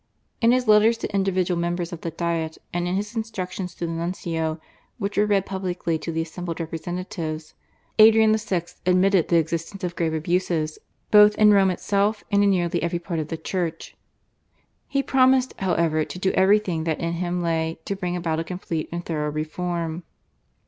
In his letters to individual members of the Diet and in his instructions to the nuncio, which were read publicly to the assembled representatives, Adrian VI. admitted the existence of grave abuses both in Rome itself and in nearly every part of the church. He promised, however, to do everything that in him lay to bring about a complete and thorough reform.